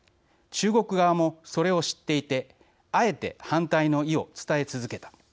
中国側も、それを知っていてあえて反対の意を伝え続けた。